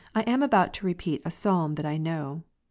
1 am about to repeat a Psalm that I know.